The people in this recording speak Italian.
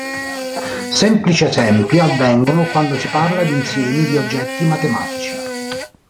Semplici esempi avvengono quando si parla di insiemi di oggetti matematici.